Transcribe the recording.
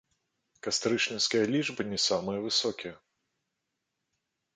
Кастрычніцкія лічбы не самыя высокія.